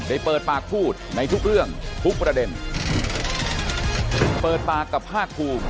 เปิดปากพูดในทุกเรื่องทุกประเด็นเปิดปากกับภาคภูมิ